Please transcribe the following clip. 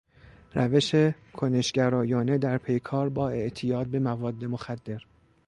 روش کنشگرایانه در پیکار با اعتیاد به مواد مخدر